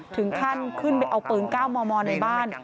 ถึงขั้นขึ้นไปเอาปืน๙มมในบ้าน